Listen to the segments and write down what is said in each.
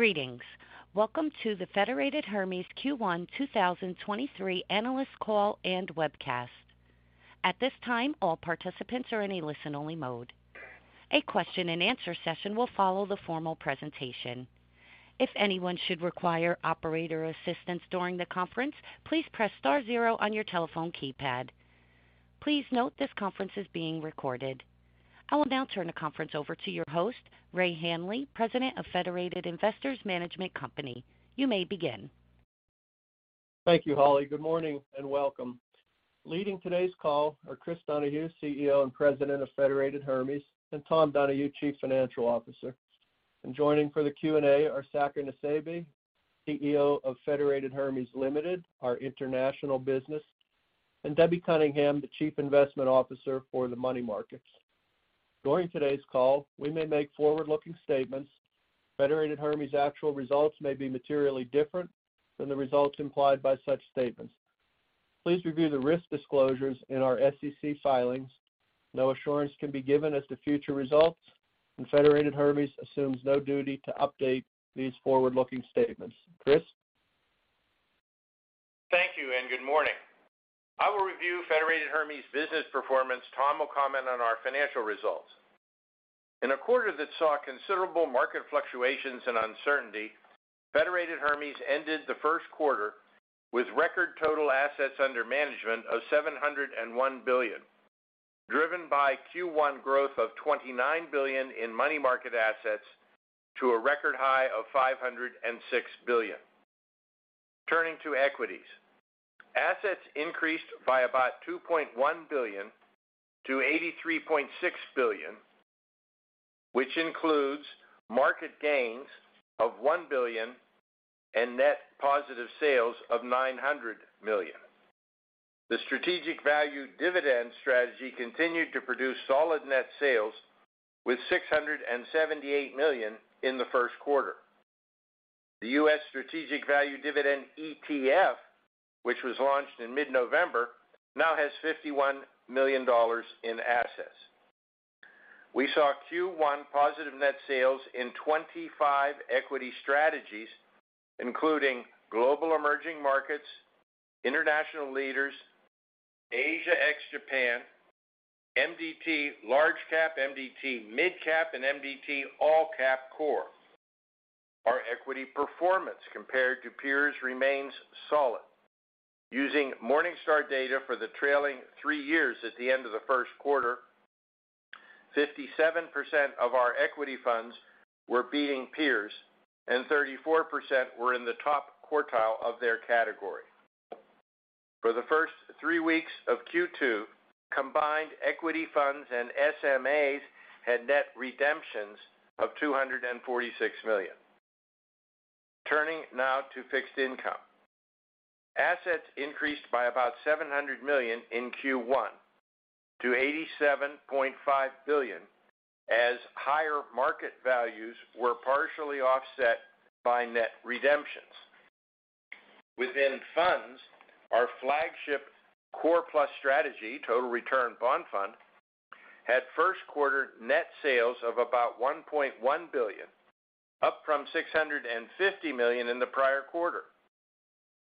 Greetings. Welcome to the Federated Hermes Q1 2023 Analyst Call and Webcast. At this time, all participants are in a listen-only mode. A question-and-answer session will follow the formal presentation. If anyone should require operator assistance during the conference, please press star zero on your telephone keypad. Please note this conference is being recorded. I will now turn the conference over to your host, Ray Hanley, President of Federated Investors Management Company. You may begin. Thank you, Holly. Good morning and welcome. Leading today's call are Chris Donahue, CEO and President of Federated Hermes, and Tom Donahue, Chief Financial Officer. Joining for the Q&A are Saker Nusseibeh, CEO of Federated Hermes Limited, our international business, and Debbie Cunningham, the Chief Investment Officer for the Money Markets. During today's call, we may make forward-looking statements. Federated Hermes actual results may be materially different than the results implied by such statements. Please review the risk disclosures in our SEC filings. No assurance can be given as to future results. Federated Hermes assumes no duty to update these forward-looking statements. Chris. Thank you and good morning. I will review Federated Hermes business performance. Tom will comment on our financial results. In a quarter that saw considerable market fluctuations and uncertainty, Federated Hermes ended the first quarter with record total assets under management of $701 billion, driven by Q1 growth of $29 billion in Money Market assets to a record high of $506 billion. Turning to equities. Assets increased by about $2.1 billion-$83.6 billion, which includes market gains of $1 billion and net positive sales of $900 million. The Strategic Value Dividend strategy continued to produce solid net sales with $678 million in the first quarter. The US Strategic Value Dividend ETF, which was launched in mid-November, now has $51 million in assets. We saw Q1 positive net sales in 25 equity strategies, including Global Emerging Markets, International Leaders, Asia ex-Japan, MDT Large Cap, MDT Mid Cap, and MDT All Cap Core. Our equity performance compared to peers remains solid. Using Morningstar data for the trailing three years at the end of the first quarter, 57% of our equity funds were beating peers and 34% were in the top quartile of their category. For the first three weeks of Q2, combined equity funds and SMAs had net redemptions of $246 million. Turning now to fixed income. Assets increased by about $700 million in Q1 to $87.5 billion, as higher market values were partially offset by net redemptions. Within funds, our flagship Core Plus strategy, Total Return Bond Fund, had first quarter net sales of about $1.1 billion, up from $650 million in the prior quarter.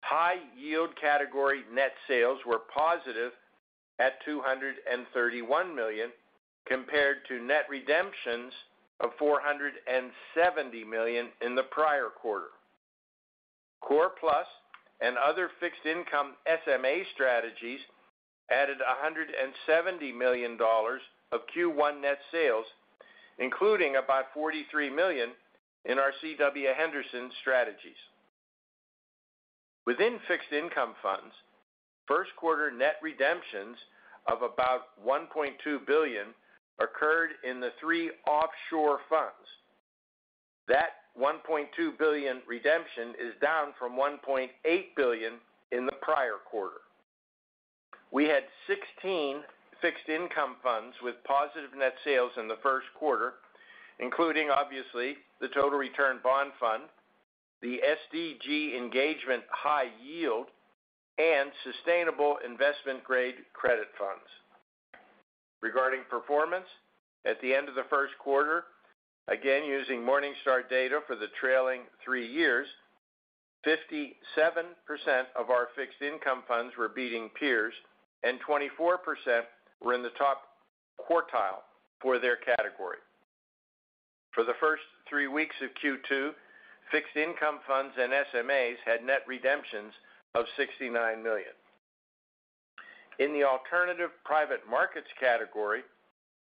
High-yield category net sales were positive at $231 million, compared to net redemptions of $470 million in the prior quarter. Core Plus and other fixed income SMA strategies added $170 million of Q1 net sales, including about $43 million in our CW Henderson strategies. Within fixed income funds, first quarter net redemptions of about $1.2 billion occurred in the three offshore funds. That $1.2 billion redemption is down from $1.8 billion in the prior quarter. We had 16 fixed income funds with positive net sales in the first quarter, including, obviously, the Total Return Bond Fund, the SDG Engagement High Yield, and Sustainable Investment Grade Credit funds. Regarding performance, at the end of the first quarter, again, using Morningstar data for the trailing three years, 57% of our fixed income funds were beating peers and 24% were in the top quartile for their category. For the first three weeks of Q2, fixed income funds and SMAs had net redemptions of $69 million. In the alternative private markets category,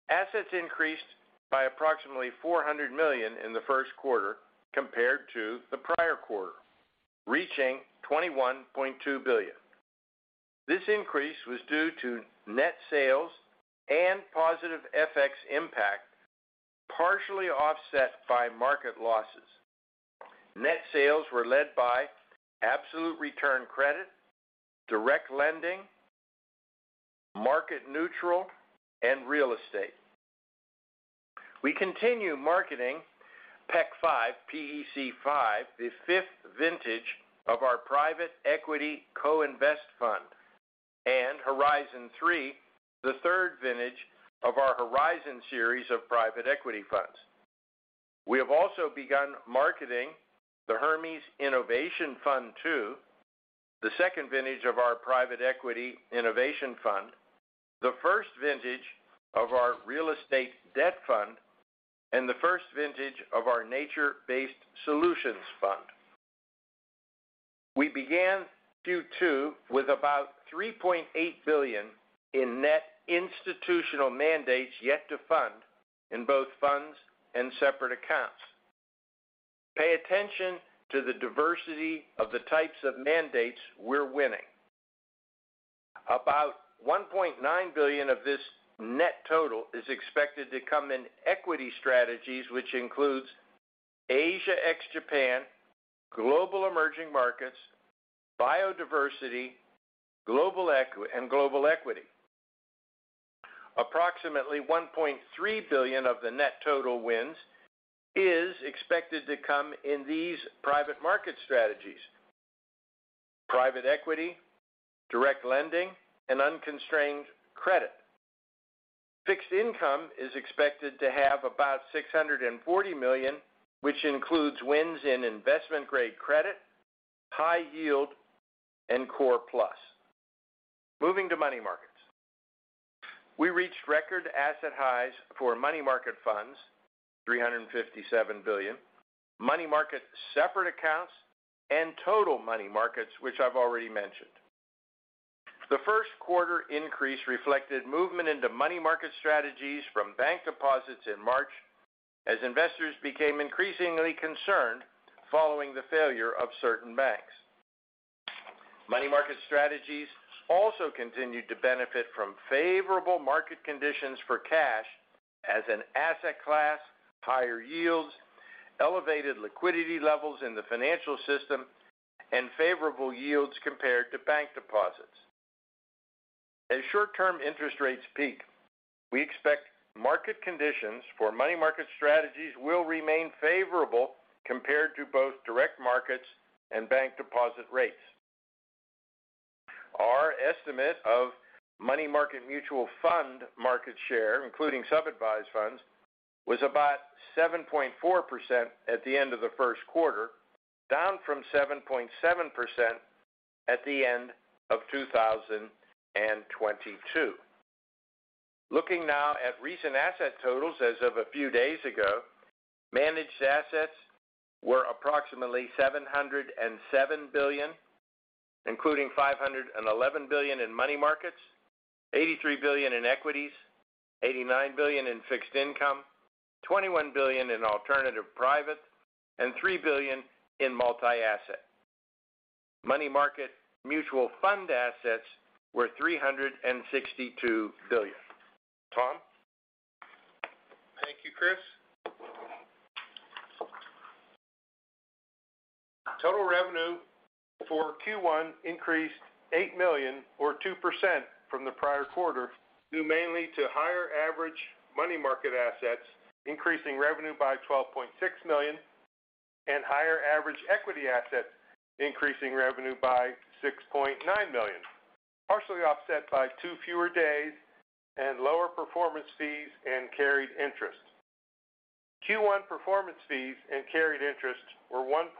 assets increased by approximately $400 million in the first quarter compared to the prior quarter, reaching $21.2 billion. This increase was due to net sales and positive FX impact, partially offset by market losses. Net sales were led by absolute return credit, direct lending, market neutral, and real estate. We continue marketing PEC V, PEC V, the fifth vintage of our Private Equity Co-investment Fund. Horizon III, the third vintage of our Horizon series of private equity funds. We have also begun marketing the Hermes Innovation Fund II, the second vintage of our Private Equity Innovation Fund, the first vintage of our Real Estate Debt Fund, and the first vintage of our Nature-based Solutions Fund. We began Q2 with about $3.8 billion in net institutional mandates yet to fund in both funds and separate accounts. Pay attention to the diversity of the types of mandates we're winning. About $1.9 billion of this net total is expected to come in equity strategies, which includes Asia ex-Japan, Global Emerging Markets, Biodiversity, Global Equity. Approximately $1.3 billion of the net total wins is expected to come in these private market strategies. Private equity, direct lending, and unconstrained credit. Fixed income is expected to have about $640 million, which includes wins in investment-grade credit, high-yield, and Core Plus. Moving to Money Markets. We reached record asset highs Money Market Funds, $357 billion, Money Market separate accounts, and Total Money Markets, which I've already mentioned. The first quarter increase reflected movement into Money Market strategies from bank deposits in March as investors became increasingly concerned following the failure of certain banks. Money Market strategies also continued to benefit from favorable market conditions for cash as an asset class, higher yields, elevated liquidity levels in the financial system, and favorable yields compared to bank deposits. As short-term interest rates peak, we expect market conditions for Money Market strategies will remain favorable compared to both direct markets and bank deposit rates. Our estimate of Money Market mutual fund market share, including sub-advised funds, was about 7.4% at the end of the first quarter, down from 7.7% at the end of 2022. Looking now at recent asset totals as of a few days ago, managed assets were approximately $707 billion, including $511 billion in Money Markets, $83 billion in Equities, $89 billion in Fixed Income, $21 billion in Alternative Private, and $3 billion in Multi-asset. Money Market mutual fund assets were $362 billion. Tom. Thank you, Chris. Total revenue for Q1 increased $8 million or 2% from the prior quarter, due mainly to higher average Money Market assets, increasing revenue by $12.6 million, and higher average equity assets, increasing revenue by $6.9 million, partially offset by two fewer days and lower performance fees and carried interest. Q1 performance fees and carried interest were $1.4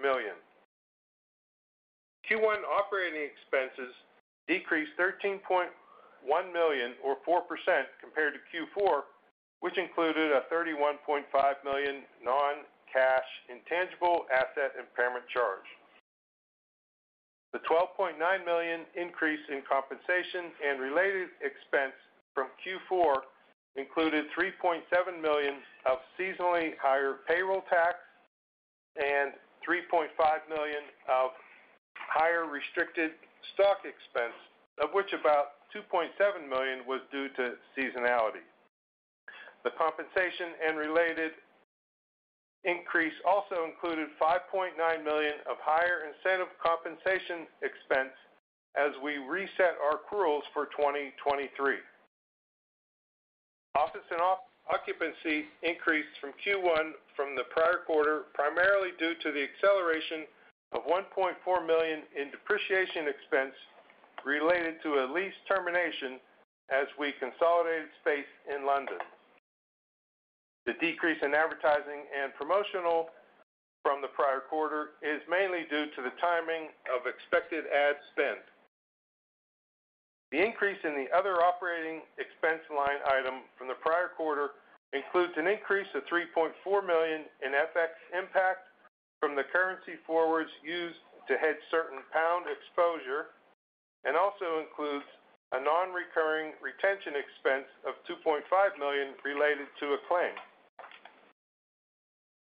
million. Q1 operating expenses decreased $13.1 million or 4% compared to Q4, which included a $31.5 million non-cash intangible asset impairment charge. The $12.9 million increase in compensation and related expense from Q4 included $3.7 million of seasonally higher payroll tax and $3.5 million of higher restricted stock expense, of which about $2.7 million was due to seasonality. The compensation and related increase also included $5.9 million of higher incentive compensation expense as we reset our accruals for 2023. Office and occupancy increased from Q1 from the prior quarter, primarily due to the acceleration of $1.4 million in depreciation expense related to a lease termination as we consolidated space in London. The decrease in Advertising and Promotional from the prior quarter is mainly due to the timing of expected ad spend. The increase in the other operating expense line item from the prior quarter includes an increase of $3.4 million in FX impact from the currency forwards used to hedge certain pound exposure, and also includes a non-recurring retention expense of $2.5 million related to a claim.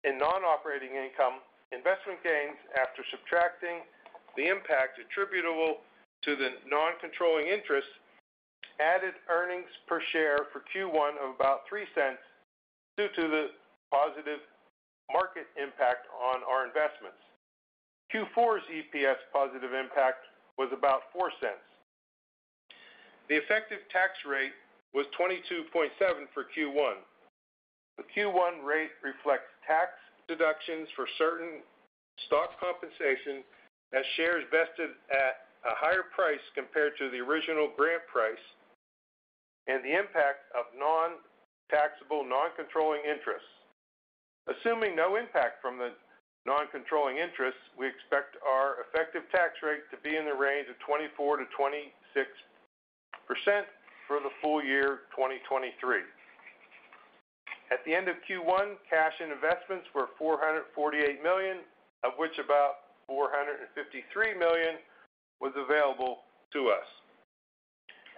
In Non-operating income, investment gains after subtracting the impact attributable to the non-controlling interest added earnings per share for Q1 of about $0.03 due to the positive market impact on our investments. Q4's EPS positive impact was about $0.04. The effective tax rate was 22.7% for Q1. The Q1 rate reflects tax deductions for certain stock compensation as shares vested at a higher price compared to the original grant price and the impact of non-taxable, non-controlling interests. Assuming no impact from the non-controlling interest, we expect our effective tax rate to be in the range of 24%-26% for the full year 2023. At the end of Q1, cash and investments were $448 million, of which about $453 million was available to us.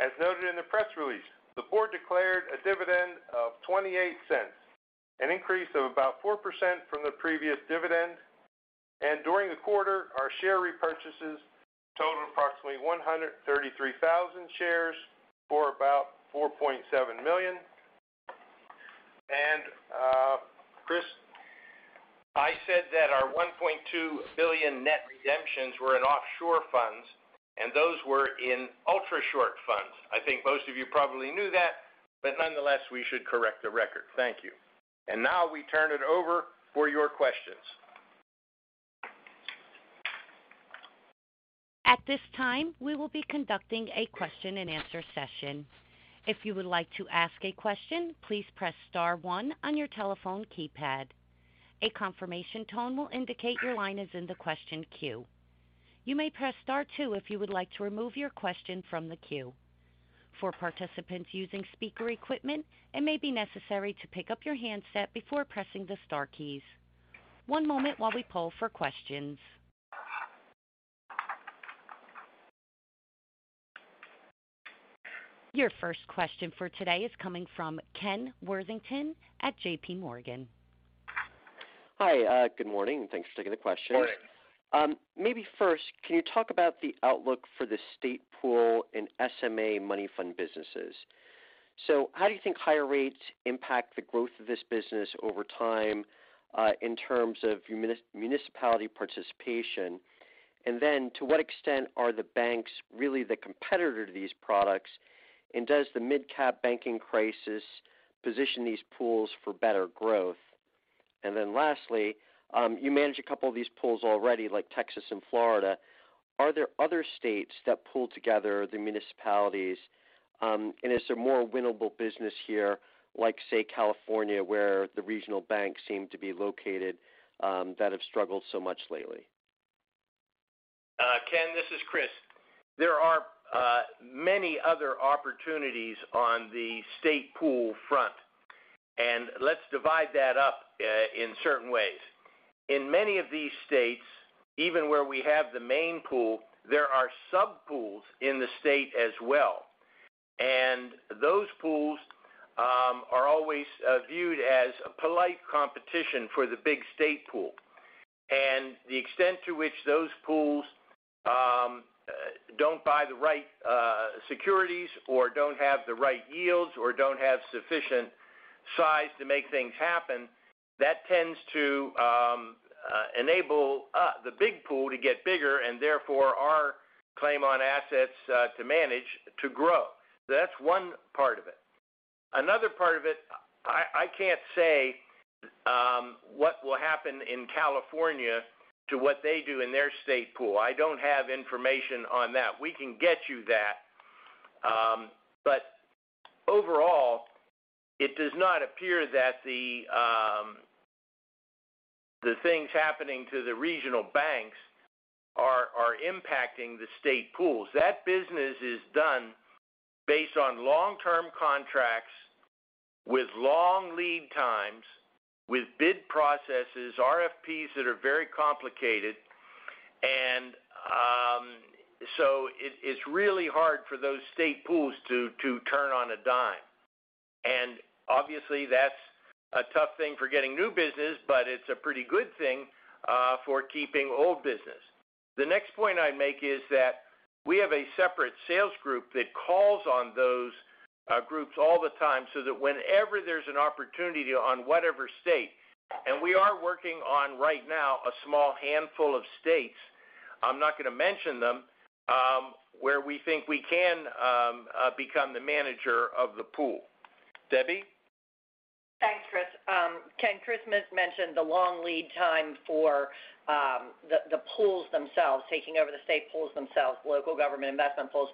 As noted in the press release, the Board declared a dividend of $0.28, an increase of about 4% from the previous dividend. During the quarter, our share repurchases totaled approximately 133,000 shares for about $4.7 million. Chris, I said that our $1.2 billion net redemptions were in offshore funds, and those were in Ultrashort funds. I think most of you probably knew that, but nonetheless, we should correct the record. Thank you. Now we turn it over for your questions. At this time, we will be conducting a question-and-answer session. If you would like to ask a question, please press star one on your telephone keypad. A confirmation tone will indicate your line is in the question queue. You may press star two if you would like to remove your question from the queue. For participants using speaker equipment, it may be necessary to pick up your handset before pressing the star keys. One moment while we pull for questions. Your first question for today is coming from Ken Worthington at J.P. Morgan. Hi, good morning, and thanks for taking the question. Morning. Maybe first, can you talk about the outlook for the state pool in SMA money fund businesses? How do you think higher rates impact the growth of this business over time, in terms of municipality participation? To what extent are the banks really the competitor to these products? Does the midcap banking crisis position these pools for better growth? Lastly, you manage a couple of these pools already, like Texas and Florida. Are there other states that pool together the municipalities? Is there more winnable business here, like, say, California, where the regional banks seem to be located, that have struggled so much lately? Ken, this is Chris. There are many other opportunities on the state pool front, and let's divide that up in certain ways. In many of these states, even where we have the main pool, there are sub-pools in the state as well. Those pools are always viewed as a polite competition for the big state pool. The extent to which those pools don't buy the right securities or don't have the right yields or don't have sufficient size to make things happen, that tends to enable the big pool to get bigger and therefore our claim on assets to manage to grow. That's one part of it. Another part of it, I can't say what will happen in California to what they do in their state pool. I don't have information on that. We can get you that. Overall, it does not appear that the things happening to the regional banks are impacting the state pools. That business is done based on long-term contracts with long lead times, with bid processes, RFPs that are very complicated. It's really hard for those state pools to turn on a dime. Obviously that's a tough thing for getting new business, but it's a pretty good thing for keeping old business. The next point I'd make is that we have a separate sales group that calls on those groups all the time so that whenever there's an opportunity on whatever state, we are working on right now a small handful of states, I'm not gonna mention them, where we think we can become the manager of the pool. Debbie? Thanks, Chris. Ken, Chris mentioned the long lead time for the pools themselves, taking over the state pools themselves, local government investment pools.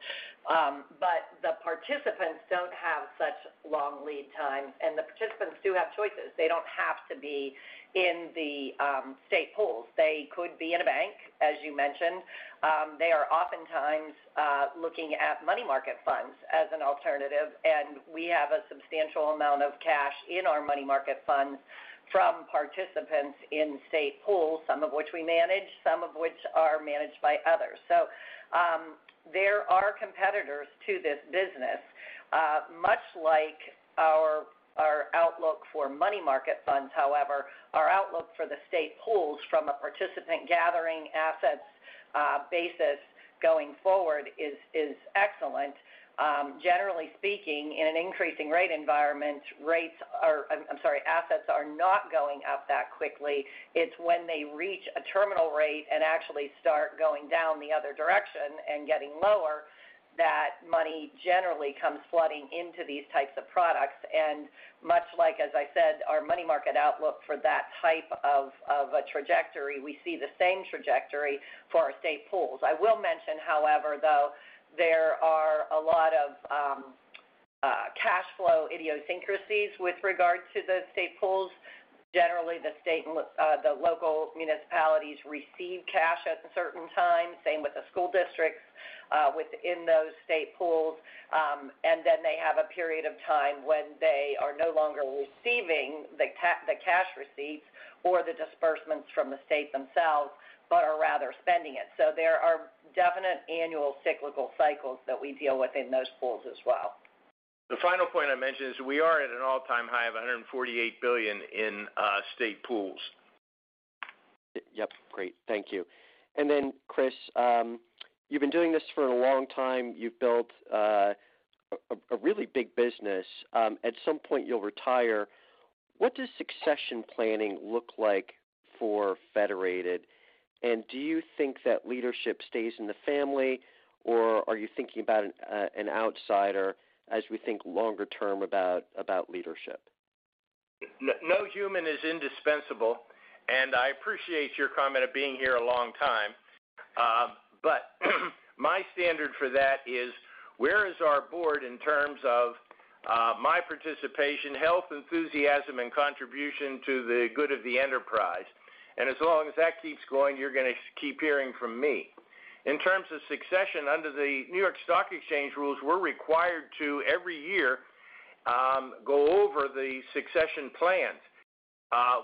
The participants don't have such long lead time, and the participants do have choices. They don't have to be in the state pools. They could be in a bank, as you mentioned. They are oftentimes looking Money Market Funds as an alternative, and we have a substantial amount of cash in Money Market Funds from participants in state pools, some of which we manage, some of which are managed by others. There are competitors to this business, much like our outlook Money Market Funds. However, our outlook for the state pools from a participant gathering assets, basis going forward is excellent. Generally speaking, in an increasing rate environment, rates are... I'm sorry, assets are not going up that quickly. It's when they reach a terminal rate and actually start going down the other direction and getting lower, that money generally comes flooding into these types of products. Much like, as I said, our Money Market outlook for that type of a trajectory, we see the same trajectory for our state pools. I will mention, however, though, there are a lot of cash flow idiosyncrasies with regard to the state pools. Generally, the state and the local municipalities receive cash at a certain time. Same with the school districts, within those state pools. Then they have a period of time when they are no longer receiving the cash receipts or the disbursements from the state themselves, but are rather spending it. There are definite annual cyclical cycles that we deal with in those pools as well. The final point I mentioned is we are at an all-time high of $148 billion in state pools. Yep. Great. Thank you. Chris, you've been doing this for a long time. You've built a really big business. At some point you'll retire. What does succession planning look like for Federated? Do you think that leadership stays in the family, or are you thinking about an outsider as we think longer term about leadership? No human is indispensable, and I appreciate your comment of being here a long time. My standard for that is, where is our board in terms of my participation, health, enthusiasm, and contribution to the good of the enterprise? As long as that keeps going, you're gonna keep hearing from me. In terms of succession, under the New York Stock Exchange rules, we're required to, every year, go over the succession plans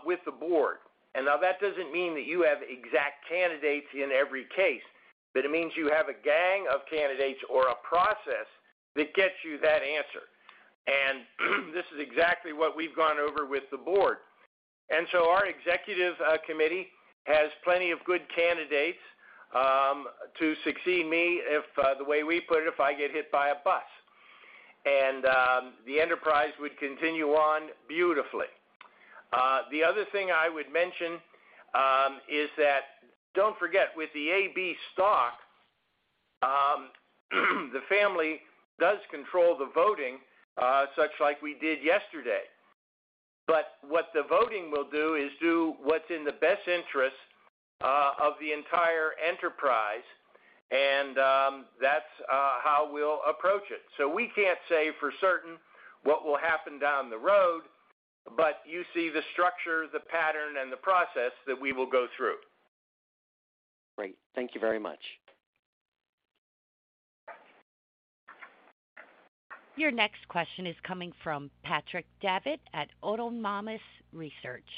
with the Board. Now that doesn't mean that you have exact candidates in every case, but it means you have a gang of candidates or a process that gets you that answer. This is exactly what we've gone over with the Board. Our executive committee has plenty of good candidates to succeed me if the way we put it, if I get hit by a bus. The enterprise would continue on beautifully. The other thing I would mention is that don't forget, with the AB stock, the family does control the voting such like we did yesterday. What the voting will do is do what's in the best interest of the entire enterprise, and that's how we'll approach it. We can't say for certain what will happen down the road, but you see the structure, the pattern, and the process that we will go through. Great. Thank you very much. Your next question is coming from Patrick Davitt at Autonomous Research.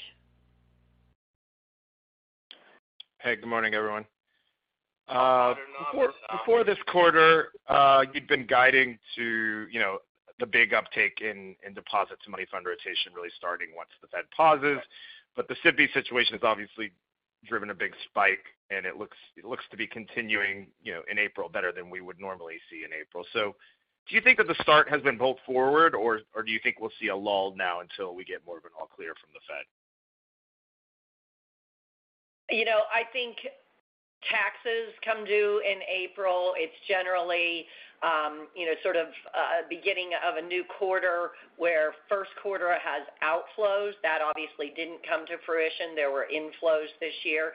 Hey, good morning, everyone. Good morning. Before this quarter, you'd been guiding to, you know, the big uptake in deposits to money fund rotation really starting once the Fed pauses. The SVB situation has obviously driven a big spike, and it looks to be continuing, you know, in April better than we would normally see in April. Do you think that the start has been pulled forward, or do you think we'll see a lull now until we get more of an all clear from the Fed? You know, I think taxes come due in April. It's generally, you know, sort of, beginning of a new quarter where first quarter has outflows. That obviously didn't come to fruition. There were inflows this year.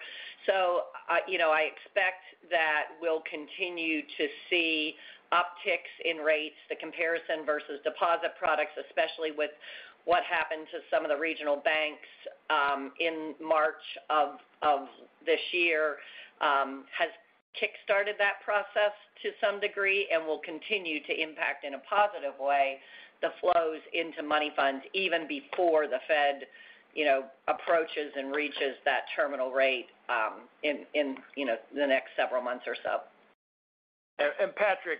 You know, I expect that we'll continue to see upticks in rates, the comparison versus deposit products, especially with what happened to some of the regional banks, in March of this year, has kickstarted that process to some degree and will continue to impact in a positive way the flows into money funds even before the Fed, you know, approaches and reaches that terminal rate, in, you know, the next several months or so. Patrick,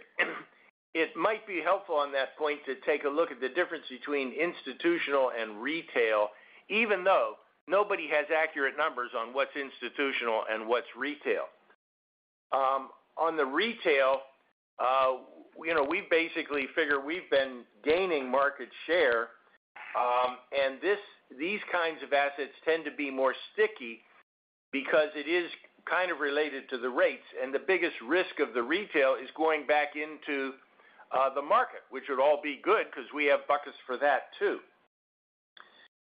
it might be helpful on that point to take a look at the difference between institutional and retail, even though nobody has accurate numbers on what's institutional and what's retail. On the retail, you know, we basically figure we've been gaining market share, and these kinds of assets tend to be more sticky because it is kind of related to the rates. The biggest risk of the retail is going back into the market, which would all be good because we have buckets for that too.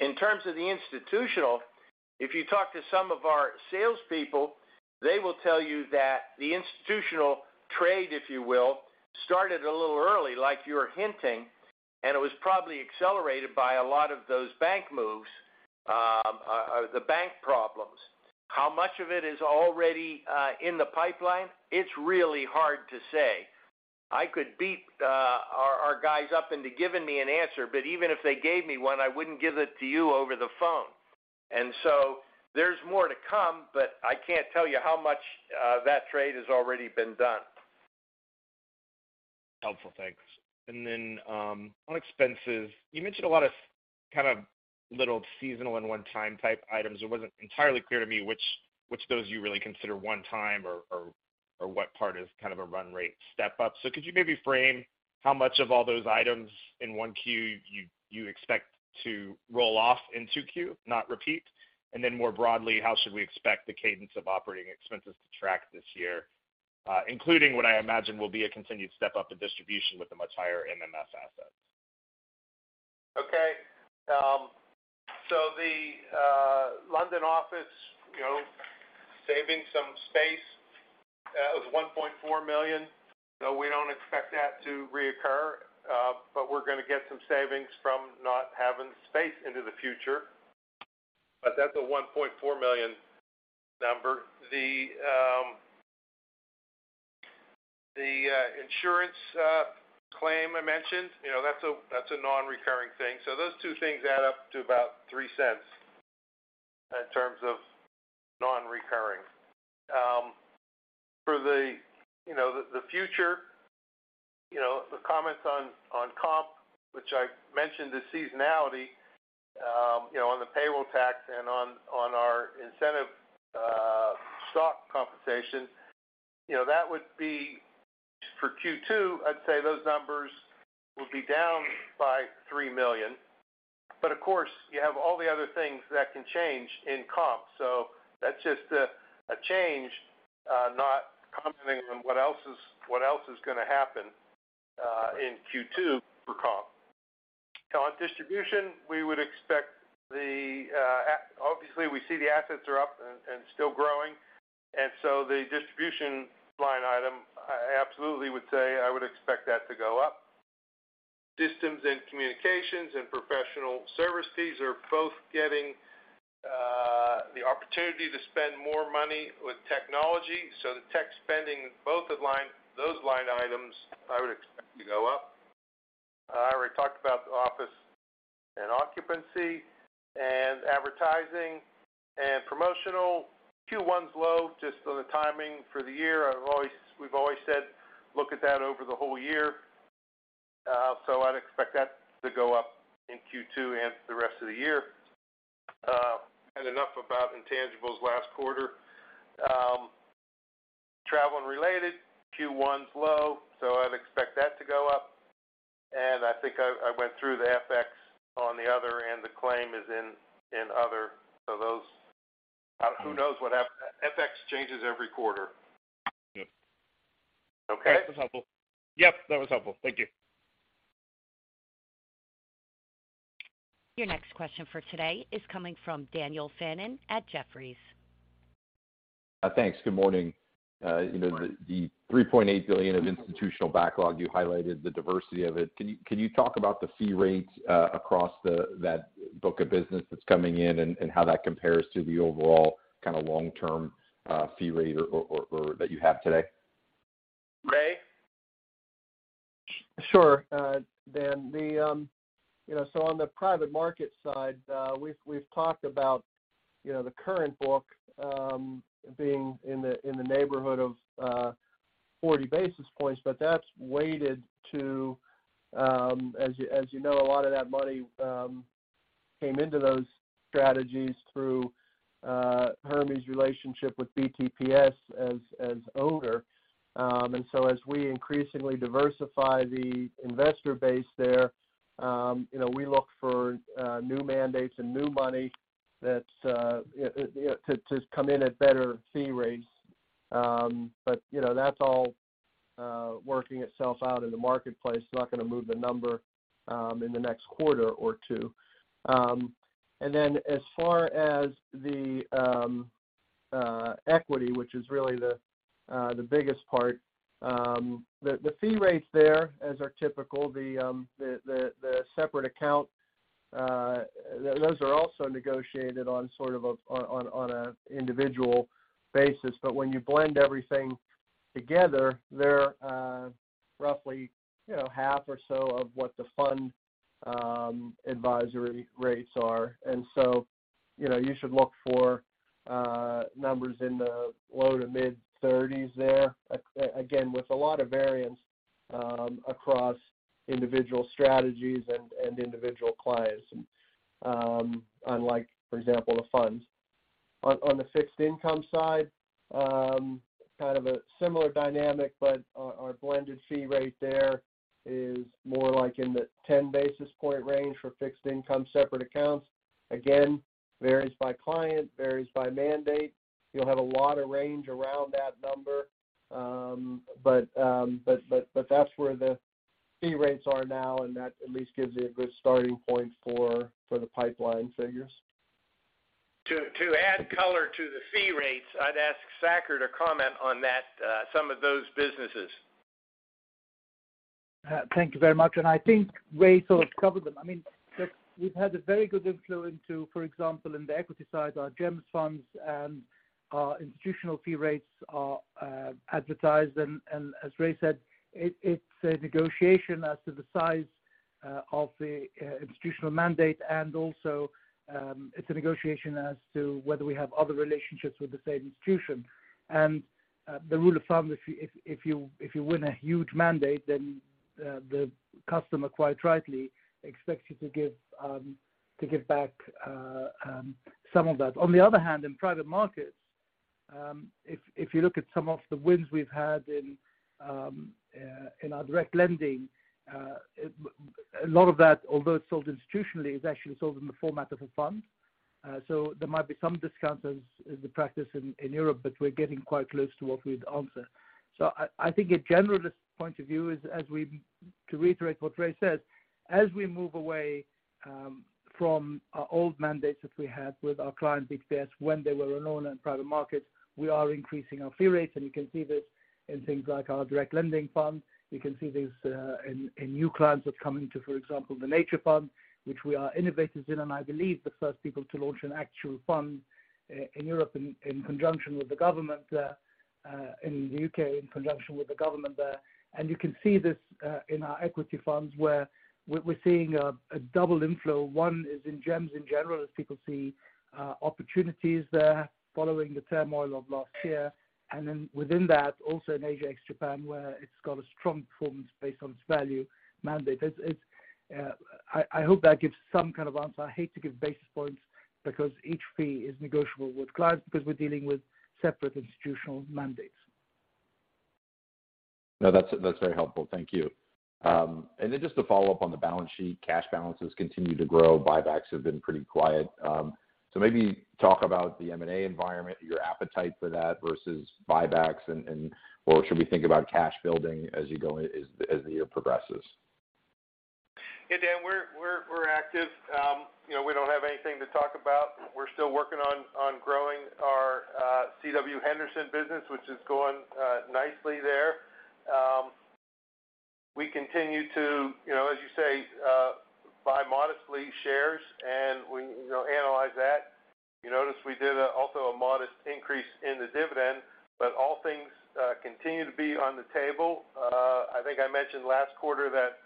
In terms of the institutional, if you talk to some of our salespeople, they will tell you that the institutional trade, if you will, started a little early like you were hinting, and it was probably accelerated by a lot of those bank moves, the bank problems. How much of it is already in the pipeline? It's really hard to say. I could beat our guys up into giving me an answer, but even if they gave me one, I wouldn't give it to you over the phone. There's more to come, but I can't tell you how much that trade has already been done. Helpful. Thanks. On expenses, you mentioned a lot of kind of little seasonal and one-time type items. It wasn't entirely clear to me which those you really consider one-time or what part is kind of a run-rate step-up. Could you maybe frame how much of all those items in 1Q you expect to roll off in 2Q, not repeat? More broadly, how should we expect the cadence of operating expenses to track this year, including what I imagine will be a continued step-up in distribution with the much higher MMS assets? Okay. So the London office, you know, saving some space, was $1.4 million. We don't expect that to reoccur, but we're gonna get some savings from not having space into the future. That's a $1.4 million number. The insurance claim I mentioned, you know, that's a non-recurring thing. Those two things add up to about $0.03 in terms of non-recurring. For the, you know, the future, you know, the comments on comp, which I mentioned the seasonality, you know, on the payroll tax and on our incentive stock compensation, you know, that would be for Q2, I'd say those numbers will be down by $3 million. Of course, you have all the other things that can change in comp. That's just a change, not commenting on what else is, what else is gonna happen in Q2 for comp. On Distribution, we would expect obviously, we see the assets are up and still growing. The Distribution line item, I absolutely would say I would expect that to go up. Systems and communications and Professional Service Fees are both getting the opportunity to spend more money with technology. The Tech spending, both of those line items, I would expect to go up. I already talked about the Office and Occupancy. Advertising and promotional, Q1's low just on the timing for the year. We've always said, look at that over the whole year. I'd expect that to go up in Q2 and the rest of the year. Enough about intangibles last quarter. Travel and related, Q1's low, so I'd expect that to go up. I think I went through the FX on the other, and the claim is in other. Those... Who knows what FX changes every quarter. Yeah. Okay? That was helpful. Yep, that was helpful. Thank you. Your next question for today is coming from Daniel Fannon at Jefferies. Thanks. Good morning. Good morning. The $3.8 billion of institutional backlog, you highlighted the diversity of it. Can you talk about the fee rates across that book of business that's coming in and how that compares to the overall kind of long-term fee rate or that you have today? Ray? Sure. Dan, you know, on the Private Markets side, we've talked about, you know, the current book, being in the neighborhood of 40 basis points. That's weighted to, as you know, a lot of that money, came into those strategies through Hermes' relationship with BTPS as owner. As we increasingly diversify the investor base there, you know, we look for new mandates and new money that's, you know, to come in at better fee rates. You know, that's all working itself out in the marketplace. It's not gonna move the number in the next quarter or two. As far as the Equity, which is really the biggest part, the fee rates there, as are typical, the separate account, those are also negotiated on sort of a, on a individual basis. When you blend everything together, they're roughly, you know, half or so of what the fund advisory rates are. So, you know, you should look for numbers in the low to mid-30s there. Again, with a lot of variance across individual strategies and individual clients, unlike, for example, the funds. On the Fixed Income side, kind of a similar dynamic, but our blended fee rate there is more like in the 10 basis point range for Fixed Income separate accounts. Again, varies by client, varies by mandate. You'll have a lot of range around that number. That's where the fee rates are now, and that at least gives you a good starting point for the pipeline figures. To add color to the fee rates, I'd ask Saker to comment on that, some of those businesses. Thank you very much. I think Ray sort of covered them. I mean, look, we've had a very good influence to, for example, in the equity side, our GEMs funds and our institutional fee rates are advertised. As Ray said, it's a negotiation as to the size of the institutional mandate. Also, it's a negotiation as to whether we have other relationships with the same institution. The rule of thumb, if you win a huge mandate, then the customer, quite rightly, expects you to give to give back some of that. On the other hand, in Private Markets, if you look at some of the wins we've had in our Direct Lending, a lot of that, although it's sold institutionally, is actually sold in the format of a fund. There might be some discount as is the practice in Europe, but we're getting quite close to what we'd answer. I think a generalist point of view is, to reiterate what Ray says, as we move away from our old mandates that we had with our client, big fairs, when they were alone in Private Markets, we are increasing our fee rates. You can see this in things like our Direct Lending Fund. You can see this in new clients that's coming to, for example, the Biodiversity Equity Fund, which we are innovators in. I believe the first people to launch an actual fund in Europe in conjunction with the government in the U.K., in conjunction with the government there. You can see this in our equity funds, where we're seeing a double inflow. One is in GEMs in general, as people see opportunities there following the turmoil of last year. Within that, also in Asia ex-Japan, where it's got a strong performance based on its value mandate. It's, I hope that gives some kind of answer. I hate to give basis points because each fee is negotiable with clients because we're dealing with separate institutional mandates. No, that's very helpful. Thank you. Then just to follow up on the balance sheet, cash balances continue to grow. Buybacks have been pretty quiet. Maybe talk about the M&A environment, your appetite for that versus buybacks. What should we think about cash building as you go, as the year progresses? Hey, Dan. We're active. You know, we don't have anything to talk about. We're still working on growing our CW Henderson business, which is going nicely there. We continue to, you know, as you say, buy modestly shares, and we, you know, analyze that. You notice we did also a modest increase in the dividend. All things continue to be on the table. I think I mentioned last quarter that,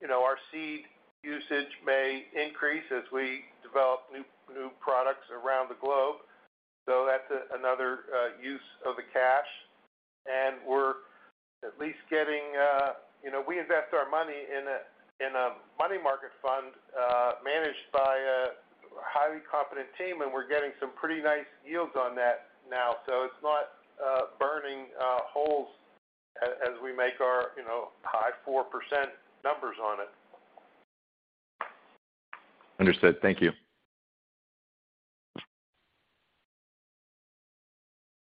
you know, our seed usage may increase as we develop new products around the globe. That's another use of the cash. We're at least getting, you know, we invest our money in a Money Market Fund managed by a highly competent team, and we're getting some pretty nice yields on that now. Though it's not, burning, holes as we make our, you know, high 4% numbers on it. Understood. Thank you.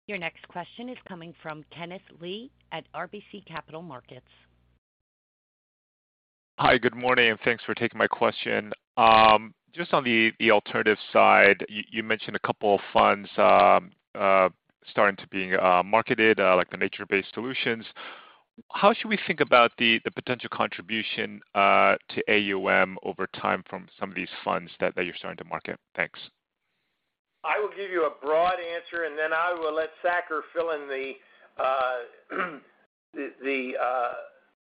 Your next question is coming from Kenneth Lee at RBC Capital Markets. Hi. Good morning, and thanks for taking my question. Just on the Alternative side, you mentioned a couple of funds, starting to being marketed, like the Nature-based Solutions. How should we think about the potential contribution, to AUM over time from some of these funds that you're starting to market? Thanks. I will give you a broad answer, and then I will let Saker fill in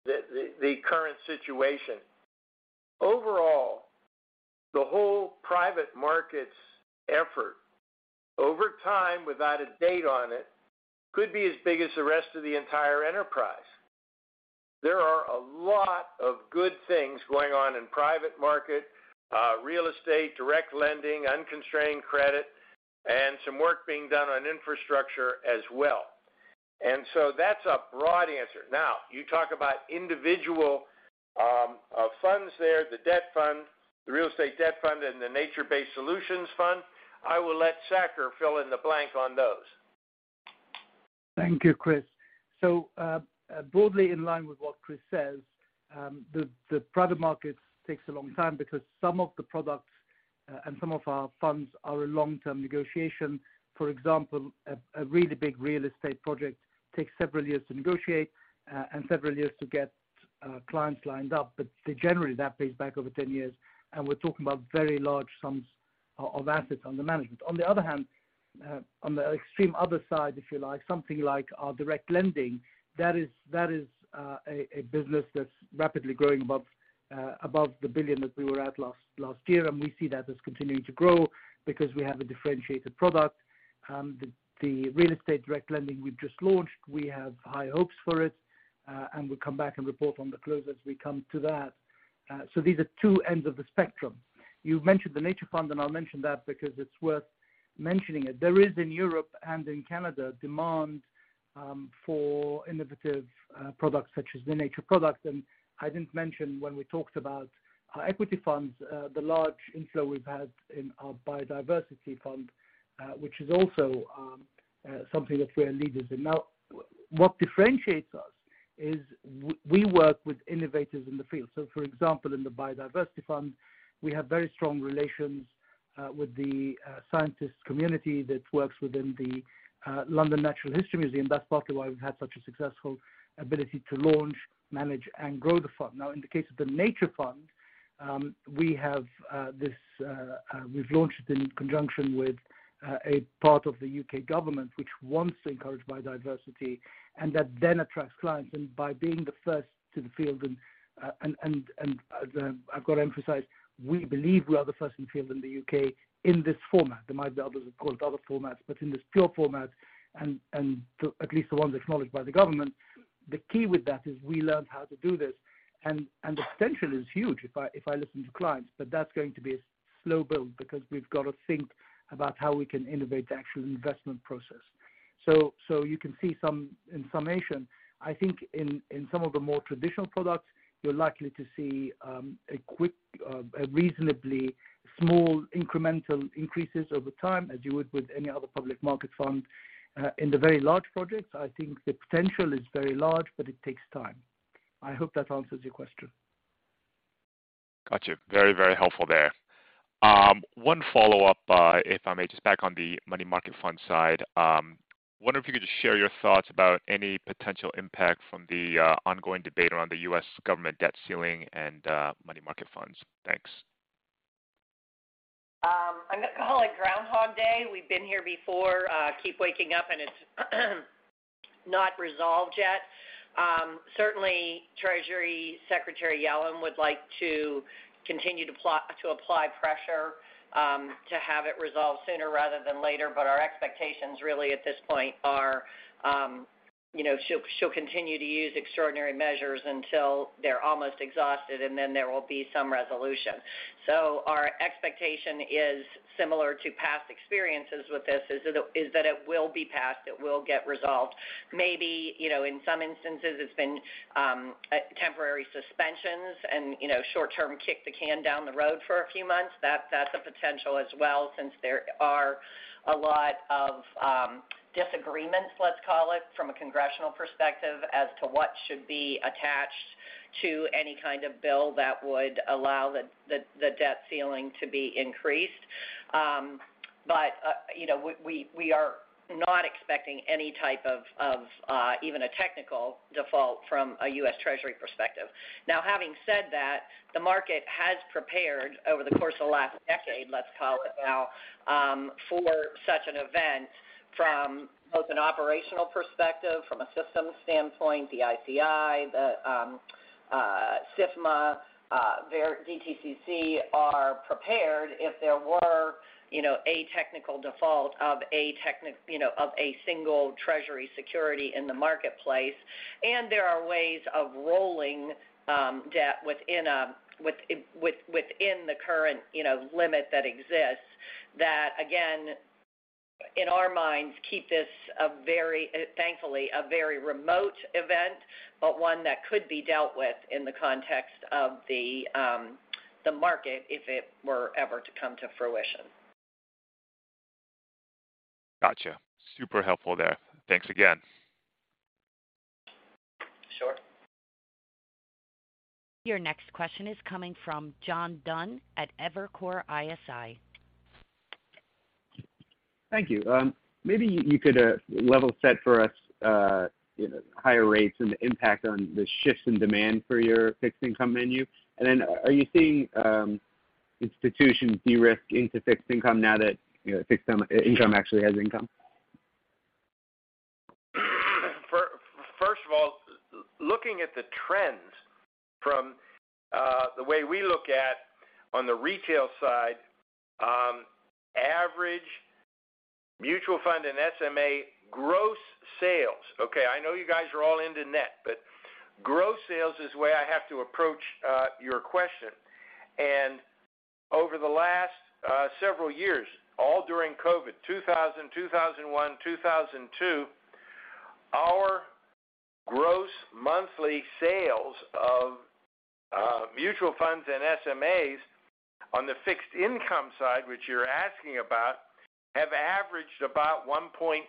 the current situation. Overall, the whole Private Markets effort over time without a date on it could be as big as the rest of the entire enterprise. There are a lot of good things going on in Private Market, Real Estate, Direct Lending, Unconstrained Credit, and some work being done on Infrastructure as well. That's a broad answer. Now, you talk about individual funds there, the Debt Fund, the Real Estate Debt Fund, and the Nature-based Solutions Fund. I will let Saker fill in the blank on those. Thank you, Chris. Broadly in line with what Chris says, the Private Market takes a long time because some of the products and some of our funds are a long-term negotiation. For example, a really big real estate project takes several years to negotiate and several years to get clients lined up. Generally, that pays back over 10 years, and we're talking about very large sums of assets under management. On the other hand, on the extreme other side, if you like, something like our Direct Lending, that is a business that's rapidly growing above $1 billion that we were at last year. We see that as continuing to grow because we have a differentiated product. The Real Estate Direct Lending we've just launched, we have high hopes for it, and we'll come back and report on the close as we come to that. These are two ends of the spectrum. You've mentioned the Nature Fund, and I'll mention that because it's worth mentioning it. There is in Europe and in Canada demand for innovative products such as the nature product. I didn't mention when we talked about our equity funds, the large inflow we've had in our Biodiversity Equity Fund, which is also something that we are leaders in. What differentiates us is we work with innovators in the field. For example, in the Biodiversity Equity Fund, we have very strong relations with the Scientist community that works within the London Natural History Museum. That's partly why we've had such a successful ability to launch, manage, and grow the fund. Now, in the case of the Nature Fund. We have, this, we've launched it in conjunction with, a part of the U.K. government which wants to encourage biodiversity, and that then attracts clients. By being the first to the field and, I've got to emphasize, we believe we are the first in the field in the U.K. in this format. There might be others, of course, other formats, but in this pure format and, so at least the one that's acknowledged by the government, the key with that is we learned how to do this. The potential is huge if I listen to clients, but that's going to be a slow-build because we've got to think about how we can innovate the actual investment process. You can see some... In summation, I think in some of the more traditional products, you're likely to see a quick, a reasonably small incremental increases over time, as you would with any other public market fund. In the very large projects, I think the potential is very large, but it takes time. I hope that answers your question. Got you. Very, very helpful there. One follow-up, if I may, just back on Money Market Fund side. Wonder if you could just share your thoughts about any potential impact from the ongoing debate around the U.S. government debt ceiling Money Market Funds. Thanks. I'm gonna call it Groundhog Day. We've been here before. Keep waking up and it's not resolved yet. Certainly Treasury Secretary Yellen would like to continue to apply pressure to have it resolved sooner rather than later. Our expectations really at this point are, you know, she'll continue to use extraordinary measures until they're almost exhausted, and then there will be some resolution. Our expectation is similar to past experiences with this, is that it will be passed, it will get resolved. Maybe, you know, in some instances, it's been temporary suspensions and, you know, short term kick the can down the road for a few months. That's a potential as well, since there are a lot of disagreements, let's call it, from a congressional perspective as to what should be attached to any kind of bill that would allow the debt ceiling to be increased. You know, we are not expecting any type of even a technical default from a U.S. Treasury perspective. Now, having said that, the market has prepared over the course of the last decade, let's call it now, for such an event from both an operational perspective, from a systems standpoint, the ICI, the SIFMA, DTCC are prepared if there were, you know, a technical default of a single Treasury security in the marketplace. There are ways of rolling debt within the current, you know, limit that exists. That, again, in our minds, keep this a very, thankfully, a very remote event, but one that could be dealt with in the context of the market if it were ever to come to fruition. Gotcha. Super helpful there. Thanks again. Sure. Your next question is coming from John Dunn at Evercore ISI. Thank you. Maybe you could level-set for us, you know, higher rates and the impact on the shifts in demand for your Fixed Income menu. Are you seeing institutions de-risk into Fixed Income now that, you know, Fixed Income actually has income? First of all, looking at the trends from the way we look at on the retail side, average mutual fund and SMA gross sales. Okay, I know you guys are all into net, but gross sales is the way I have to approach your question. Over the last several years, all during COVID, 2000, 2001, 2002, our gross monthly sales of mutual funds and SMAs on the Fixed Income side, which you're asking about, have averaged about $1.5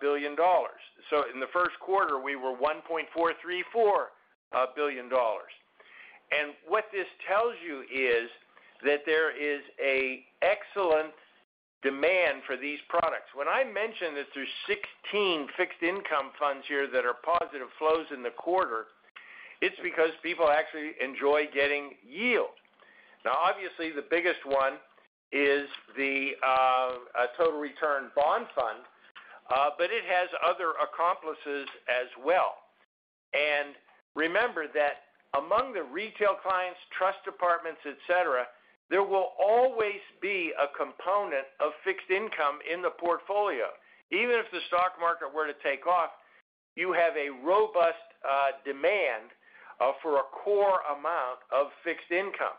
billion. In the first quarter, we were $1.434 billion. What this tells you is that there is a excellent demand for these products. When I mention that there's 16 Fixed Income funds here that are positive flows in the quarter, it's because people actually enjoy getting yield. Obviously the biggest one is the Total Return Bond Fund, but it has other accomplices as well. Remember that among the retail clients, trust departments, et cetera, there will always be a component of fixed-income in the portfolio. Even if the stock market were to take off, you have a robust demand for a core amount of fixed-income.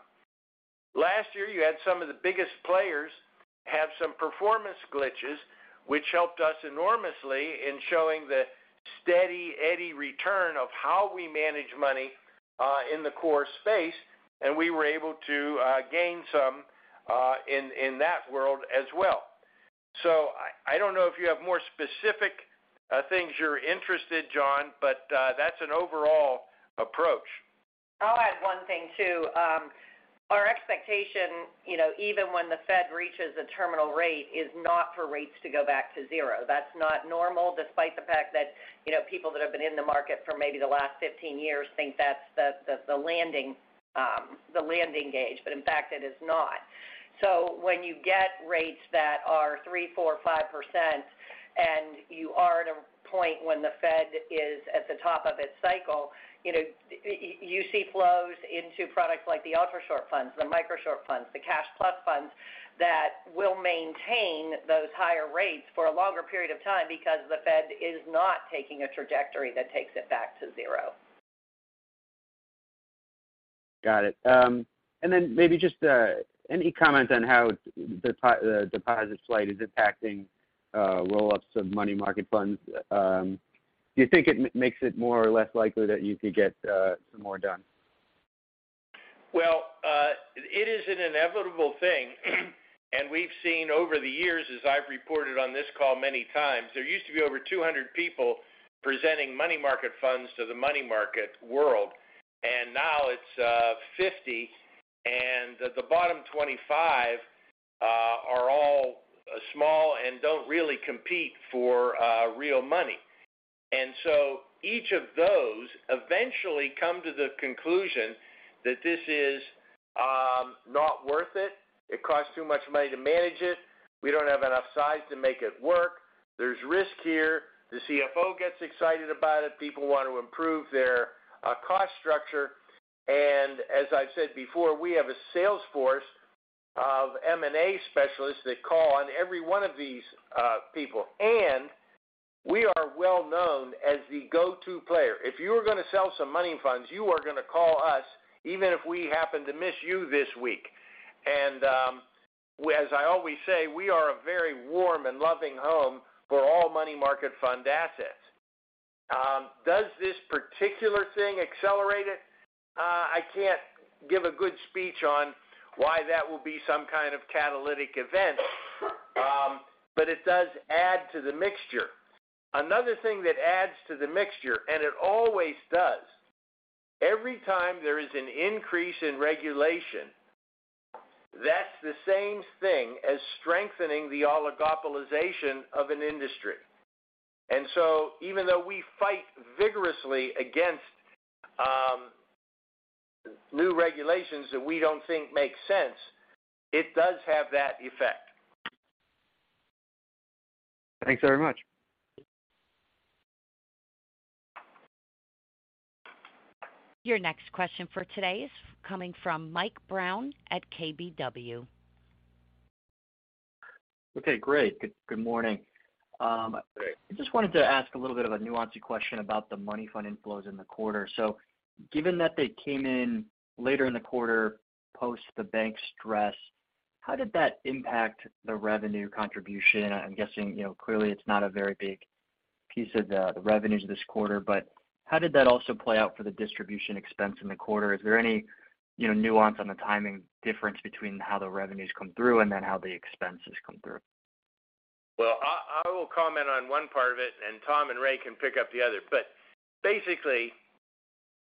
Last year, you had some of the biggest players have some performance glitches, which helped us enormously in showing the Steady Eddie return of how we manage money in the core space, and we were able to gain some in that world as well. I don't know if you have more specific things you're interested, John, but that's an overall approach. I'll add one thing too. Our expectation, you know, even when the Fed reaches a terminal rate, is not for rates to go back to zero. That's not normal, despite the fact that, you know, people that have been in the market for maybe the last 15 years think that's the landing, the landing gauge, but in fact it is not. When you get rates that are 3%, 4%, 5% and you are at a point when the Fed is at the top of its cycle, you know, you see flows into products like the Ultrashort funds, the Microshort funds, the Cash Plus funds that will maintain those higher rates for a longer period of time because the Fed is not taking a trajectory that takes it back to zero. Got it. Maybe just any comment on how the deposit slide is impacting roll-ups Money Market Funds. Do you think it makes it more or less likely that you could get some more done? Well, it is an inevitable thing. We've seen over the years, as I've reported on this call many times, there used to be over 200 people Money Market Funds to the Money Market world, and now it's 50. The bottom 25 are all small and don't really compete for real money. Each of those eventually come to the conclusion that this is not worth it. It costs too much money to manage it. We don't have enough size to make it work. There's risk here. The CFO gets excited about it. People want to improve their cost-structure. As I've said before, we have a sales force of M&A specialists that call on every one of these people. We are well-known as the go-to player. If you are gonna sell some money in funds, you are gonna call us even if we happen to miss you this week. As I always say, we are a very warm and loving home for Money Market Fund assets. Does this particular thing accelerate it? I can't give a good speech on why that will be some kind of catalytic event. It does add to the mixture. Another thing that adds to the mixture, it always does, every time there is an increase in regulation, that's the same thing as strengthening the oligopolization of an industry. Even though we fight vigorously against new regulations that we don't think make sense, it does have that effect. Thanks very much. Your next question for today is coming from Mike Brown at KBW. Okay, great. Good morning. I just wanted to ask a little bit of a nuanced question about the money fund inflows in the quarter. Given that they came in later in the quarter, post the bank stress, how did that impact the revenue contribution? I'm guessing, you know, clearly it's not a very big piece of the revenues this quarter, but how did that also play out for the distribution expense in the quarter? Is there any, you know, nuance on the timing difference between how the revenues come through and then how the expenses come through? I will comment on one part of it, and Tom and Ray can pick up the other. Basically,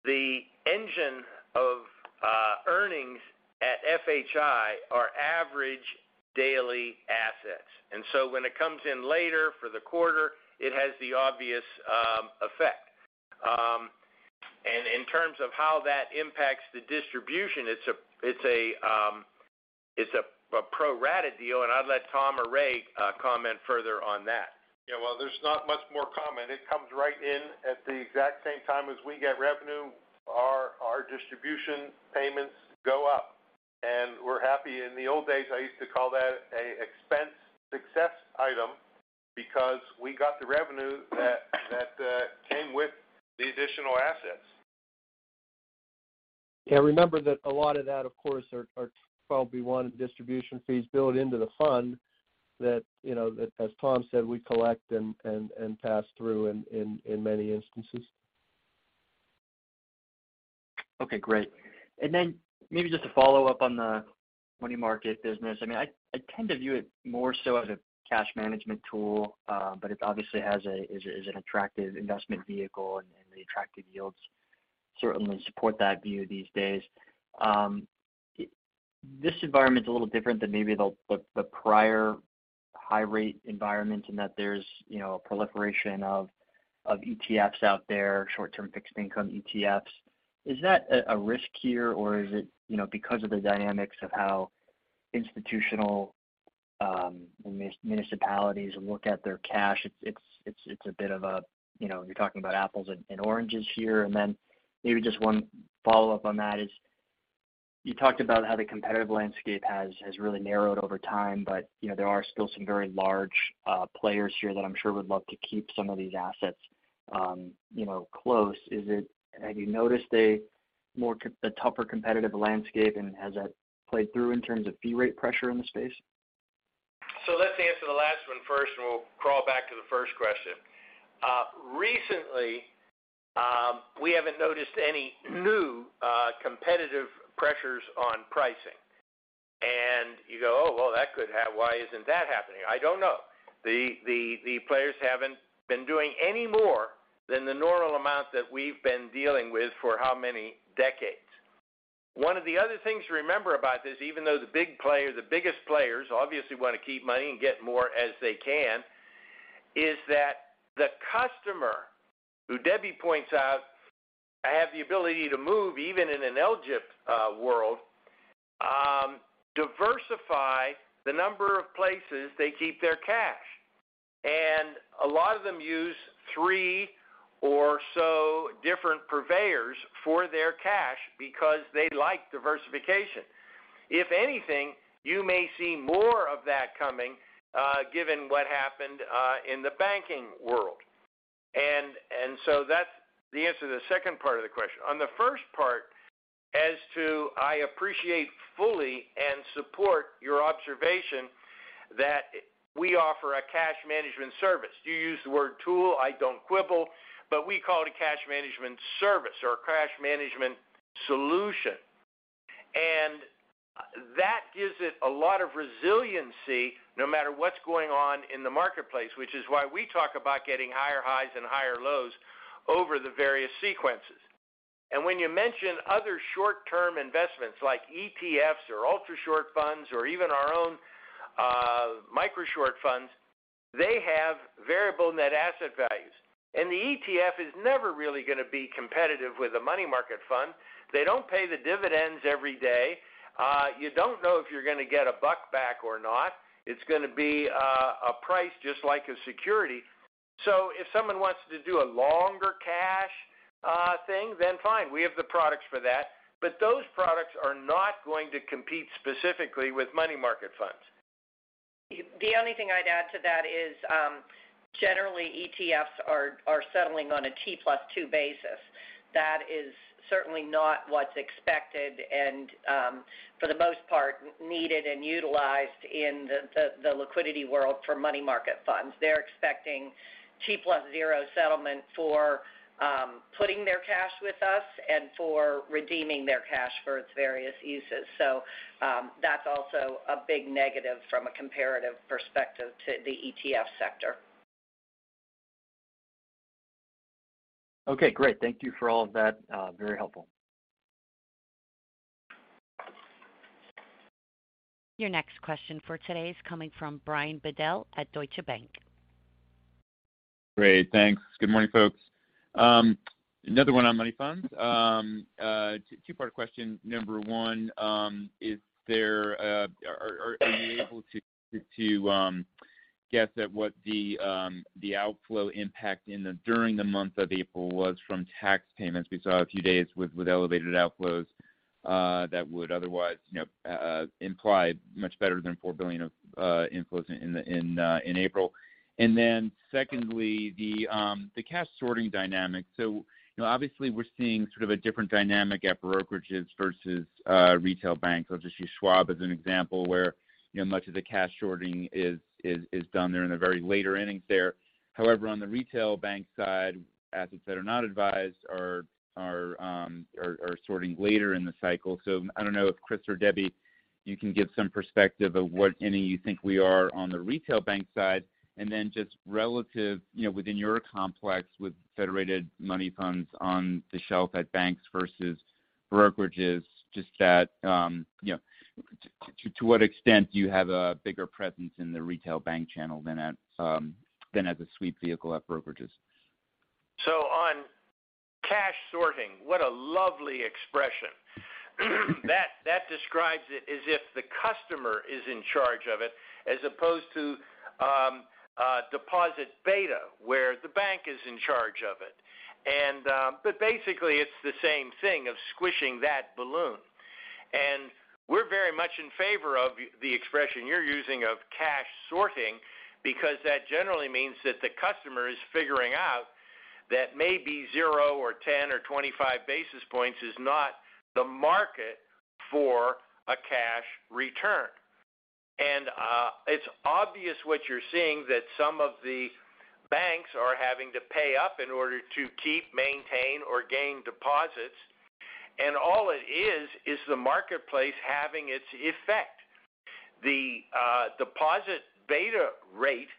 the engine of earnings at FHI are average daily assets. When it comes in later for the quarter, it has the obvious effect. In terms of how that impacts the distribution, it's a pro-rata deal, and I'd let Tom or Ray comment further on that. Yeah. There's not much more comment. It comes right in at the exact same time as we get revenue. Our distribution payments go up, and we're happy. In the old days, I used to call that a expense success item because we got the revenue that came with the additional assets. Yeah, remember that a lot of that, of course, are 12b-1 distribution fees built into the fund that, you know, that as Tom said, we collect and pass through in many instances. Okay, great. Maybe just to follow up on the Money Market business. I mean, I tend to view it more so as a cash management tool, but it obviously is an attractive investment vehicle and the attractive yields certainly support that view these days. This environment is a little different than maybe the prior high-rate environment in that there's, you know, proliferation of ETFs out there, short-term fixed-income ETFs. Is that a risk here or is it, you know, because of the dynamics of how institutional municipalities look at their cash, it's a bit of a, you know, you're talking about apples and oranges here? Maybe just one follow-up on that is, you talked about how the competitive landscape has really narrowed over time, but, you know, there are still some very large players here that I'm sure would love to keep some of these assets, you know, close. Have you noticed the tougher competitive landscape and has that played through in terms of fee rate pressure in the space? Let's answer the last one first, and we'll crawl back to the first question. Recently, we haven't noticed any new competitive pressures on pricing. You go, oh, well, why isn't that happening? I don't know. The players haven't been doing any more than the normal amount that we've been dealing with for how many decades. One of the other things to remember about this, even though the big player, the biggest players obviously wanna keep money and get more as they can, is that the customer who Debbie points out, have the ability to move even in an LGIP world, diversify the number of places they keep their cash. A lot of them use three or so different purveyors for their cash because they like diversification. If anything, you may see more of that coming, given what happened in the banking world. So that's the answer to the second part of the question. On the first part, as to I appreciate fully and support your observation that we offer a cash management service. You use the word tool, I don't quibble, but we call it a cash management service or a cash management solution. That gives it a lot of resiliency no matter what's going on in the marketplace, which is why we talk about getting higher highs and higher lows over the various sequences. When you mention other short-term investments like ETFs or Ultrashort funds or even our own Microshort funds, they have variable net asset values. The ETF is never really gonna be competitive with a Money Market Fund. They don't pay the dividends every day, you don't know if you're gonna get a buck back or not. It's gonna be, a price just like a security. If someone wants to do a longer cash, thing, then fine, we have the products for that. Those products are not going to compete specifically with Money Market Funds. The only thing I'd add to that is, generally ETFs are settling on a T+2 basis. That is certainly not what's expected and, for the most part, needed and utilized in the liquidity world Money Market Funds. They're expecting T +0 settlement for putting their cash with us and for redeeming their cash for its various uses. That's also a big negative from a comparative perspective to the ETF sector. Great. Thank you for all of that, very helpful. Your next question for today is coming from Brian Bedell at Deutsche Bank. Great. Thanks. Good morning, folks. Another one on money funds. Two-part question. Number one, are you able to guess at what the outflow impact during the month of April was from tax payments? We saw a few days with elevated outflows that would otherwise, you know, imply much better than $4 billion of inflows in April. Secondly, the cash sorting dynamic. You know, obviously we're seeing sort of a different dynamic at brokerages versus retail banks. I'll just use Schwab as an example where, you know, much of the cash sorting is done there in the very later innings there. On the retail bank side, assets that are not advised are sorting later in the cycle. I don't know if Chris or Debbie, you can give some perspective of what inning you think we are on the retail bank side. Just relative, you know, within your complex with Federated money funds on the shelf at banks versus brokerages, just that, you know, to what extent do you have a bigger presence in the retail bank channel than as a sweep vehicle at brokerages? On cash sorting, what a lovely expression. That describes it as if the customer is in charge of it as opposed to deposit beta, where the bank is in charge of it. Basically it's the same thing of squishing that balloon. We're very much in favor of the expression you're using of cash sorting, because that generally means that the customer is figuring out that maybe 0 or 10 or 25 basis points is not the market for a cash return. It's obvious what you're seeing that some of the banks are having to pay up in order to keep, maintain, or gain deposits. All it is the marketplace having its effect. The Deposit Beta rate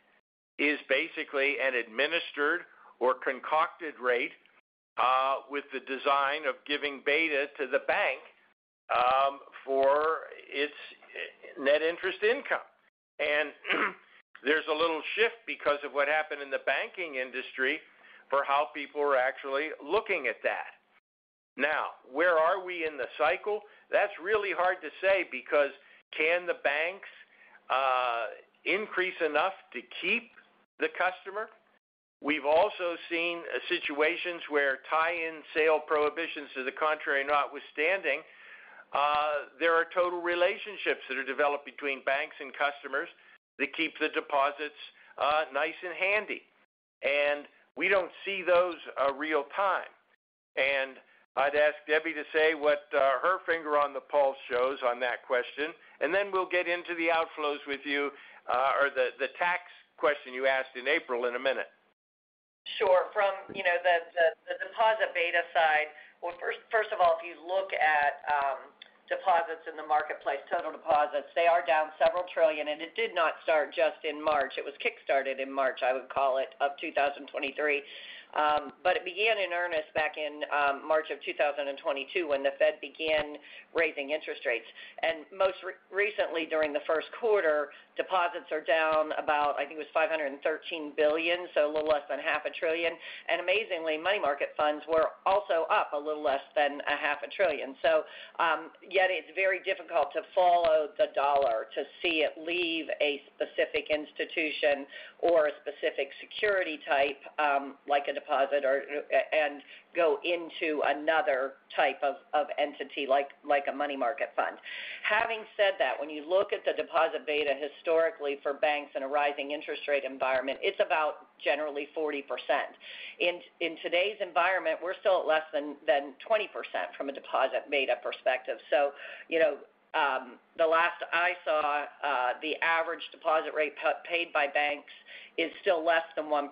is basically an administered or concocted rate with the design of giving beta to the bank for its net interest income. There's a little shift because of what happened in the banking industry for how people are actually looking at that. Now, where are we in the cycle? That's really hard to say because can the banks increase enough to keep the customer? We've also seen situations where tie-in sale prohibitions to the contrary notwithstanding, there are total relationships that are developed between banks and customers that keep the deposits nice and handy. We don't see those real-time. I'd ask Debbie to say what her finger on the pulse shows on that question, and then we'll get into the outflows with you, or the tax question you asked in April in a minute. Sure. From the Deposit Beta side, first of all, if you look at Deposits in the marketplace, Total Deposits, they are down several trillion. It did not start just in March. It was kickstarted in March, I would call it, of 2023. It began in earnest back in March of 2022 when the Fed began raising interest rates. Most recently during the first quarter, deposits are down about, I think it was $513 billion, so a little less than half a trillion. And amazingly, Money Market Funds were also up a little less than $500 billion. Yet it's very difficult to follow the dollar to see it leave a specific institution or a specific security type, like a deposit or, and go into another type of entity like Money Market Fund. Having said that, when you look at the Deposit Beta historically for banks in a rising interest rate environment, it's about generally 40%. In today's environment, we're still at less than 20% from a deposit beta perspective. You know, the last I saw, the average deposit rate paid by banks is still less than 1%.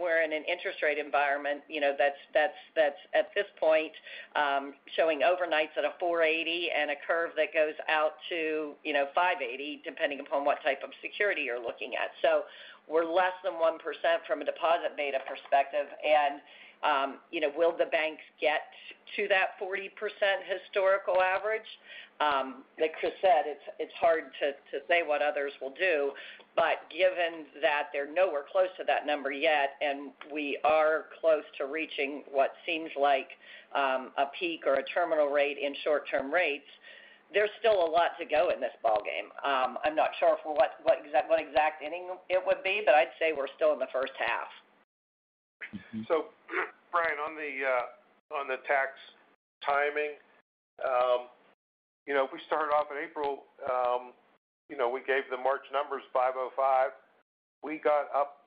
We're in an interest rate environment, you know, that's at this point showing overnights at a 4.80 and a curve that goes out to, you know, 5.80, depending upon what type of security you're looking at. We're less than 1% from a deposit beta perspective. You know, will the banks get to that 40% historical average? Like Chris said, it's hard to say what others will do, but given that they're nowhere close to that number yet, and we are close to reaching what seems like a peak or a terminal rate in short-term rates, there's still a lot to go in this ballgame. I'm not sure for what exact inning it would be, but I'd say we're still in the first half. Brian, on the tax timing, you know, we started off in April, you know, we gave the March numbers $505. We got up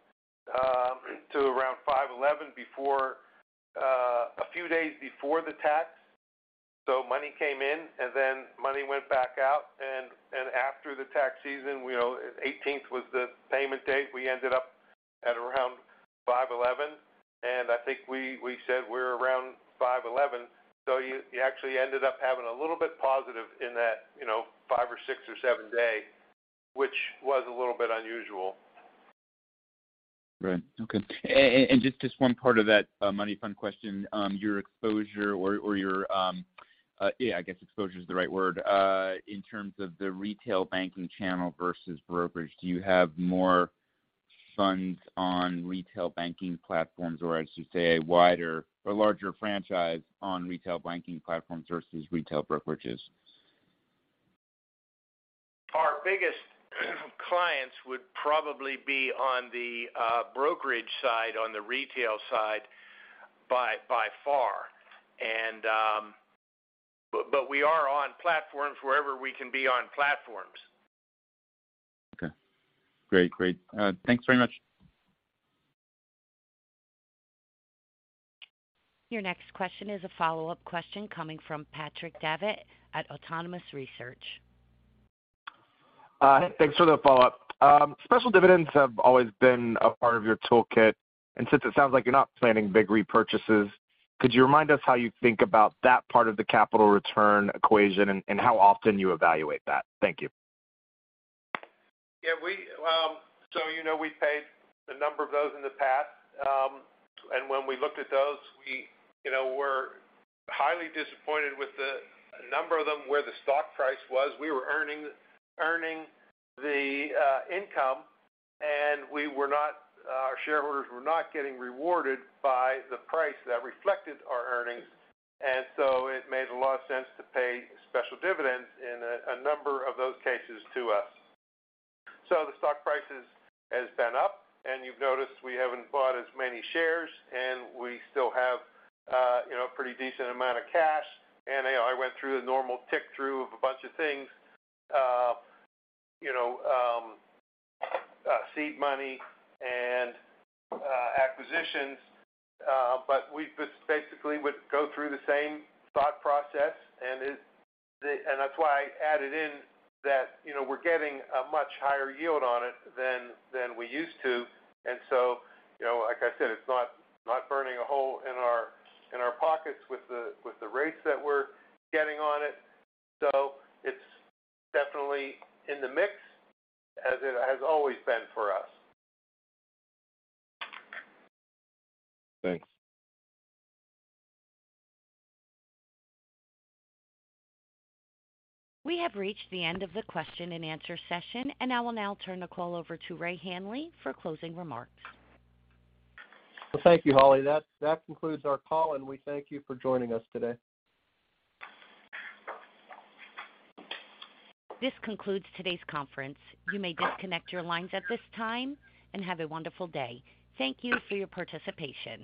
to around $511 before a few days before the tax. Money came in and then money went back out. After the tax season, you know, 18th was the payment date. We ended up at around $511. I think we said we're around $511. You, you actually ended up having a little bit positive in that, you know, five or six or seven day, which was a little bit unusual. Right. Okay. Just one part of that, money fund question. Your exposure or your, yeah, I guess exposure is the right word. In terms of the retail banking channel versus brokerage, do you have more funds on retail banking platforms or as you say, a wider or larger franchise on retail banking platforms versus retail brokerages? Our biggest clients would probably be on the brokerage side, on the retail side by far. We are on platforms wherever we can be on platforms. Okay. Great. Great. Thanks very much. Your next question is a follow-up question coming from Patrick Davitt at Autonomous Research. Thanks for the follow-up. Special dividends have always been a part of your toolkit, and since it sounds like you're not planning big repurchases, could you remind us how you think about that part of the capital return equation and how often you evaluate that? Thank you. Yeah, we, you know, we paid a number of those in the past, and when we looked at those, we, you know, were highly disappointed with the number of them where the stock price was. We were earning the income, and we were not our shareholders were not getting rewarded by the price that reflected our earnings. It made a lot of sense to pay special dividends in a number of those cases to us. The stock prices has been up, and you've noticed we haven't bought as many shares, and we still have, you know, a pretty decent amount of cash. I went through the normal tick through of a bunch of things, you know, seed money and acquisitions. We just basically would go through the same thought process. That's why I added in that, you know, we're getting a much higher yield on it than we used to. You know, like I said, it's not burning a hole in our pockets with the rates that we're getting on it. It's definitely in the mix as it has always been for us. Thanks. We have reached the end of the question and answer session. I will now turn the call over to Ray Hanley for closing remarks. Well, thank you, Holly. That concludes our call. We thank you for joining us today. This concludes today's conference. You may disconnect your lines at this time and have a wonderful day. Thank you for your participation.